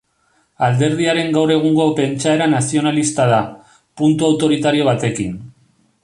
Alderdiaren gaur egungo pentsaera nazionalista da, puntu autoritario batekin.